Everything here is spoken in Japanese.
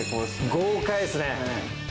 豪快ですね。